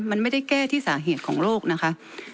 มันไม่ได้แก้ที่สาเหตุของโลกนะคะ